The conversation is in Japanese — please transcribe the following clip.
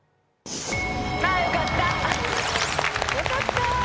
あよかった！